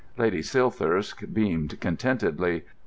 Lady Silthirsk beamed contentedly.